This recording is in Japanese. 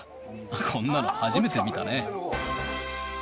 こんなの初めて見たね。